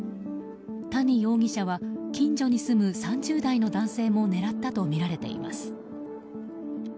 谷容疑者は近所に住む３０代の男性も狙ったとみられています。